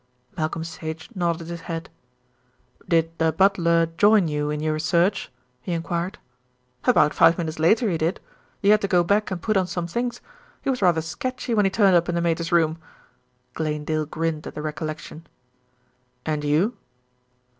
Malcolm Sage nodded his head. "Did the butler join you in your search?" he enquired. "About five minutes later he did. He had to go back and put on some things; he was rather sketchy when he turned up in the Mater's room." Glanedale grinned at the recollection. "And you?"